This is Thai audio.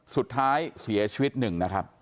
สุดท้ายเสียชีวิตหนึ่งนะครับ